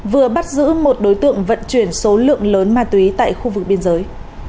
vừa bắt giữ một đối tượng vận chuyển số lượng lớn ma túy tại khu vực biên giới